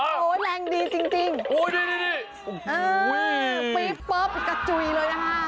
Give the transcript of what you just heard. โอ้แรงดีจริงโอ้นี่อ๋อปี๊บเหาะกระจุยเลยนะคะ